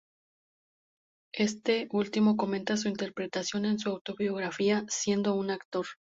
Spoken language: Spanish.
Este último comenta su interpretación en su autobiografía "Siendo un actor".